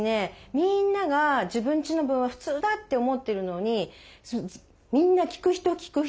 みんなが自分ちの分は普通だって思ってるのにみんな聞く人聞く人